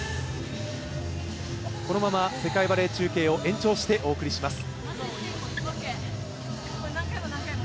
このまま世界バレー中継を延長してお送りします。